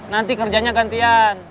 nanti kerjanya gantian